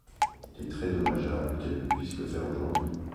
Il est très dommageable qu’elles ne puissent le faire aujourd’hui.